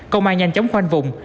công an nhanh chóng khoanh vùng